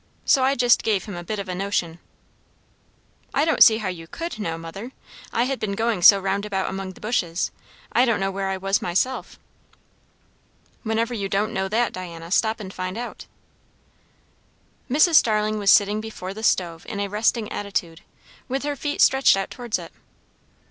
So I just gave him a bit of a notion." "I don't see how you could know, mother; I had been going so roundabout among the bushes. I don't know where I was, myself." "When ever you don't know that, Diana, stop and find out." Mrs. Starling was sitting before the stove in a resting attitude, with her feet stretched out towards it.